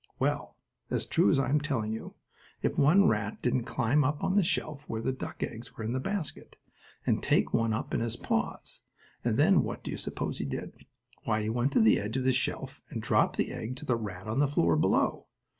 Well, as true as I'm telling you, if one rat didn't climb up on the shelf, where the duck eggs were in the basket, and take one up in his paws; and then what do you suppose he did? Why, he went to the edge of the shelf and dropped the egg to the rat on the floor below.